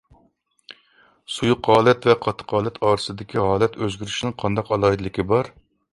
سۇيۇق ھالەت ۋە قاتتىق ھالەت ئارىسىدىكى ھالەت ئۆزگىرىشىنىڭ قانداق ئالاھىدىلىكى بار؟